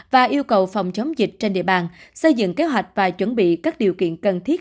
và yêu cầu phòng chống dịch trên địa bàn xây dựng kế hoạch và chuẩn bị các điều kiện cần thiết